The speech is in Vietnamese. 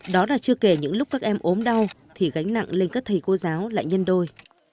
đó là chưa kể những lúc các em ốm đau thì gánh nặng lên các thầy cô giáo lại nhân đôi